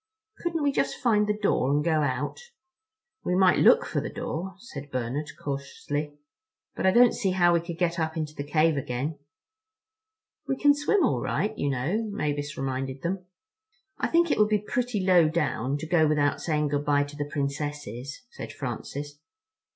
"Couldn't we just find the door and go out?" "We might look for the door," said Bernard cautiously, "but I don't see how we could get up into the cave again." "We can swim all right, you know," Mavis reminded them. "I think it would be pretty low down to go without saying good bye to the Princesses," said Francis.